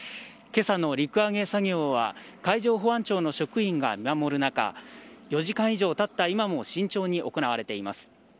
今朝の陸揚げ作業は海上保安庁の職員が見守る中４時間以上たった今も慎重に行われています。